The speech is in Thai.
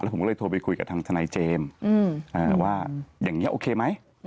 ผมก็เลยโทรไปคุยกับทางทนายเจมส์ว่าอย่างนี้โอเคไหม